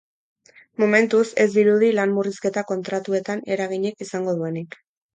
Momentuz, ez dirudi lan murrizketa kontratuetan eraginik izango duenik.